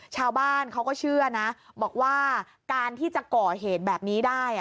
ชาวบ้านเขาก็เชื่อนะบอกว่าการที่จะก่อเหตุแบบนี้ได้